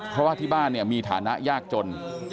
เพราะว่าที่บ้านเนี่ยมีฐานะยากจน